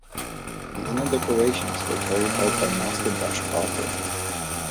The inner decorations were carried out by Master Dush Barka.